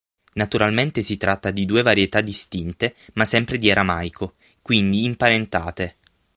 Naturalmente si tratta di due varietà distinte ma sempre di aramaico, quindi imparentate.